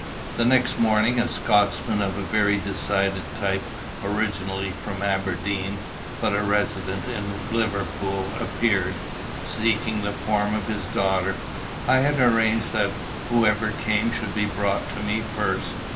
The next morning a Scotchman of a very decided type, originally from Aberdeen, but resident in Liverpool, appeared, seeking the form of his daughter. I had arranged that whoever came should be brought to me first.